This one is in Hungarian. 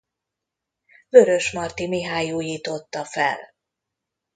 Vörösmarty Mihály újította fel.